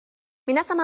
皆様。